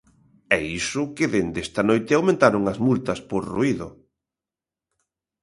E iso que dende esta noite aumentaron as multas por ruído.